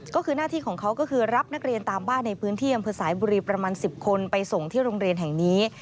ก็คือหน้าที่ของเขาก็คือรับนักเรียนตามบ้านในพื้นที่อำเภอสายบุรีประมาณ๑๐คนไปส่งที่โรงเรียนแห่งนี้